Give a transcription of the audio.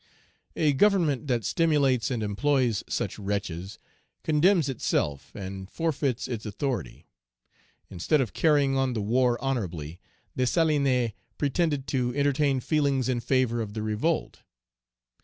A Government that stimulates and employs such wretches condemns itself and forfeits its authority. Instead of carrying on the war honorably, Dessalines pretended to entertain feelings in favor of the revolt.